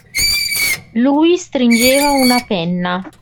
Lui stringeva una penna.